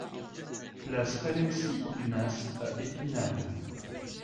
Place Alexis Ignace à Épinal